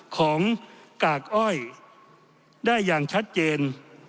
ของกากอ้อยได้อย่างชัดเจน